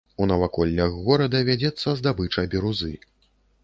У наваколлях горада вядзецца здабыча бірузы.